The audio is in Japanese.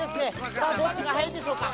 さあどっちがはやいんでしょうか。